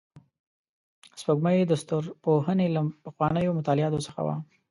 سپوږمۍ د ستورپوهنې له پخوانیو مطالعاتو څخه وه